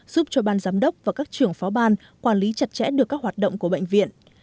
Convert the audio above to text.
giúp cho ban giám đốc và các trưởng phó ban quản lý chặt chẽ được các hoạt động của bệnh viện